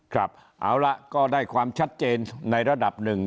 ครับเอาละก็ได้ความชัดเจนในระดับหนึ่ง